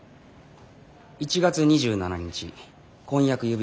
「１月２７日婚約指輪を贈る。